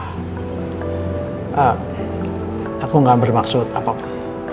mbak aku gak bermaksud apa apa